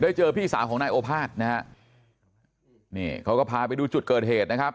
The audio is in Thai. เจอพี่สาวของนายโอภาษนะฮะนี่เขาก็พาไปดูจุดเกิดเหตุนะครับ